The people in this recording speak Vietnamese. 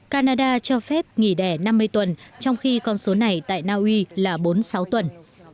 canada cho phép nghỉ đẻ năm mươi tuần trong khi con số này tại naui là bốn mươi sáu tuần